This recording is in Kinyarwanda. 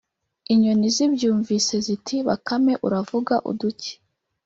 Inyoni zibyumvise ziti “Bakame uravuga uduki